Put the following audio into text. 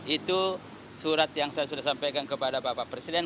itu surat yang saya sudah sampaikan kepada bapak presiden